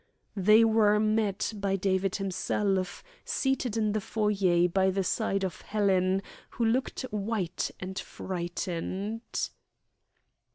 They were met by David himself, seated in the foyer by the side of Helen, who looked white and frightened.